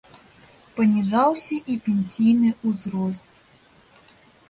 Паніжаўся і пенсійны ўзрост.